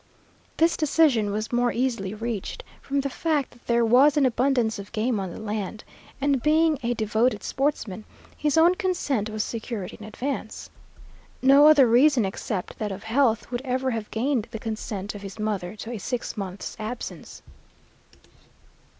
This decision was more easily reached from the fact that there was an abundance of game on the land, and being a devoted sportsman, his own consent was secured in advance. No other reason except that of health would ever have gained the consent of his mother to a six months' absence.